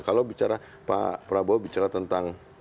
kalau bicara pak prabowo bicara tentang